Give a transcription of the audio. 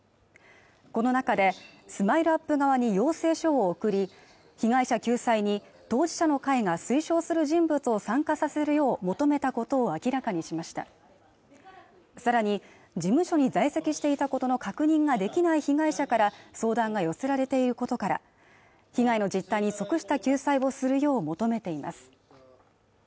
この中でＳＭＩＬＥ−ＵＰ．側に要請書を送り被害者救済に当事者の会が推奨する人物を参加させるよう求めたことを明らかにしましたさらに事務所に在籍していたことの確認ができない被害者から相談が寄せられていることから被害の実態に則した救済をするよう求めています